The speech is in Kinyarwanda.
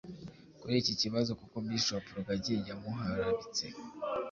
kuri iki kibazo kuko bishop rugagi yamuharabitse